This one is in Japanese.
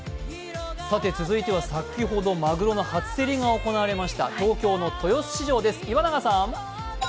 続いては、先ほどまぐろの初競りが行われた豊洲市場です。